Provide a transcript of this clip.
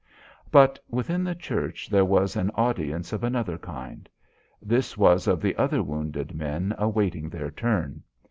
But within the church there was an audience of another kind. This was of the other wounded men awaiting their turn.